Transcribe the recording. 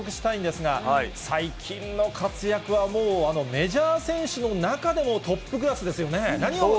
特にバッティングに注目したいんですが、最近の活躍はもう、メジャー選手の中でもトップクラスですよね。